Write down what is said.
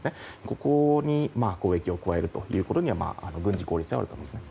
ここに攻撃を加えるということはあり得ると思います。